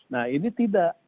nah ini tidak